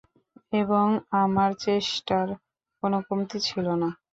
এবং আমার চেষ্টার কোন কমতি ছিলো না।